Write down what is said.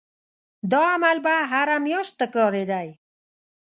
دا عمل به هره میاشت تکرارېدی.